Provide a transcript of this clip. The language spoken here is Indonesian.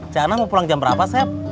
cik anah mau pulang jam berapa sep